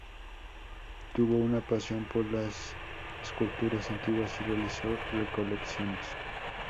Tuvo una pasión por las esculturas antiguas, y realizó recolecciones.